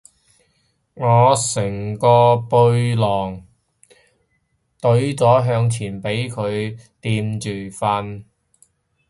我成個背囊隊咗向前俾佢墊住瞓